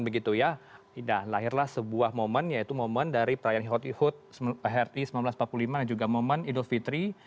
begitu ya lahirlah sebuah momen yaitu momen dari perayaan ri seribu sembilan ratus empat puluh lima dan juga momen idul fitri